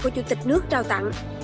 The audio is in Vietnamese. như tịch nước trao tặng